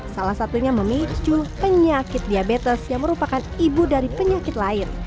salah satunya memicu penyakit diabetes yang merupakan ibu dari penyakit lain